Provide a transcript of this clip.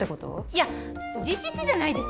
いや実質じゃないですから。